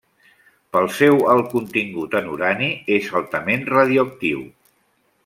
Pel seu alt contingut en urani és altament radioactiu.